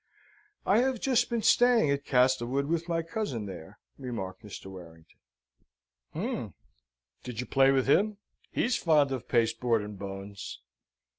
"I have just been staying at Castlewood with my cousin there," remarked Mr. Warrington. "Hm! Did you play with him? He's fond of pasteboard and bones."